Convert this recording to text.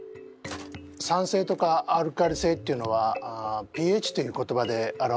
酸性とかアルカリ性っていうのはｐＨという言葉で表されます。